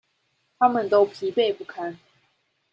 他們都疲憊不堪